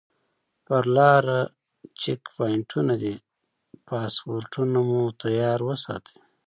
پر لاره چیک پواینټونه دي پاسپورټونه مو تیار وساتئ.